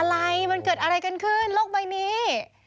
อะไรมันเกิดอะไรกันขึ้นโลกใบนี้